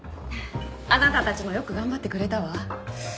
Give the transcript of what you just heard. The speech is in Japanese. あなたたちもよく頑張ってくれたわ。